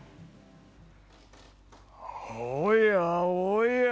おやおや。